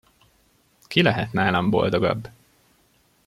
Ki lehet nálam boldogabb?